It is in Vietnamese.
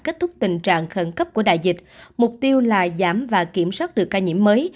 kết thúc tình trạng khẩn cấp của đại dịch mục tiêu là giảm và kiểm soát được ca nhiễm mới